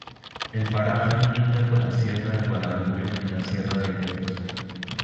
El paraje linda con la sierra de Guadalupe y la sierra de Gredos.